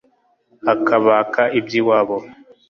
Akabaka iby'iwabo